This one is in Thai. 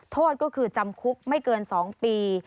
โทษก็คือจำคุกไม่เกิน๒ปี